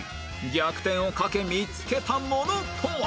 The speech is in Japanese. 逆転を懸け見つけたものとは？